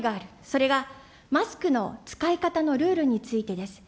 それがマスクの使い方のルールについてです。